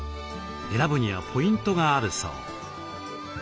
選ぶにはポイントがあるそう。